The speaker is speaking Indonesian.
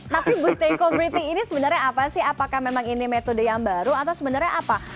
tapi buteco briefing ini sebenarnya apa sih apakah memang ini metode yang baru atau sebenarnya apa